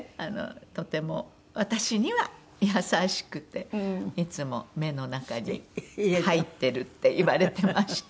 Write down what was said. とても私には優しくて「いつも目の中に入ってる」って言われてました。